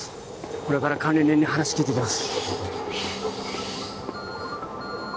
これから管理人に話聞いてきます